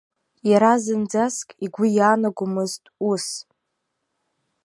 Иара зынӡаск игәы иаанагомызт ус.